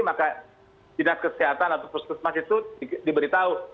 maka dinas kesehatan atau pusat pusat mas itu diberitahu